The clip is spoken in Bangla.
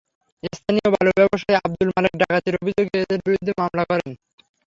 স্থানীয় বালু ব্যবসায়ী আবদুল মালেক ডাকাতির অভিযোগে এঁদের বিরুদ্ধে মামলা করেন।